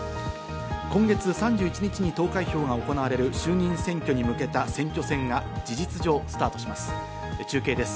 今月３１日に投開票が行われる衆議院選挙に向けた選挙戦が事実上スタートします。